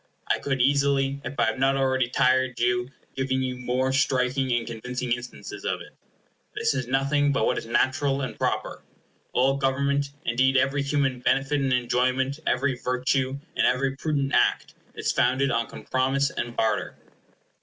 I could easily, if I had not already tired you, give you very striking and convincing instances of it. This is nothing but what is natural and proper. All government, indeed every human benefit and enjoyment, every virtue, and every prudent act, is founded on compromise and barter.